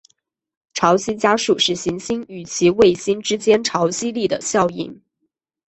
潮汐加速是行星与其卫星之间潮汐力的效应。